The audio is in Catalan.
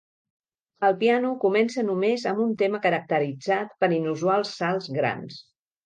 El piano comença només amb un tema caracteritzat per inusuals salts grans.